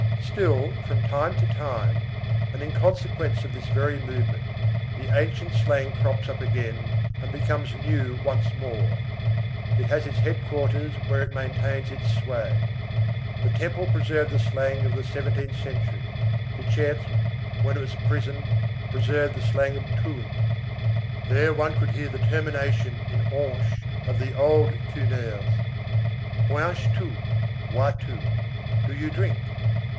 Still, from time to time, and in consequence of this very movement, the ancient slang crops up again and becomes new once more. It has its headquarters where it maintains its sway. The Temple preserved the slang of the seventeenth century; Bicêtre, when it was a prison, preserved the slang of Thunes. There one could hear the termination in anche of the old Thuneurs. Boyanches tu (bois tu), do you drink?